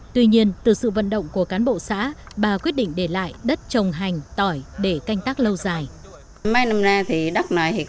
tuy nhiên từ sự vận động của cán bộ xã bà quyết định để lại đất trồng hành tỏi để canh tác lâu dài